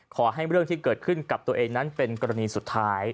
ขอให้เรื่องที่เกิดขึ้นกับตัวเองนั้นเป็นกรณีสุดท้าย